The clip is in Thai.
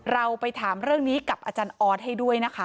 เราไปถามเรื่องนี้กับอาจารย์ออสให้ด้วยนะคะ